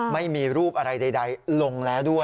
ไม่มีรูปอะไรใดลงแล้วด้วย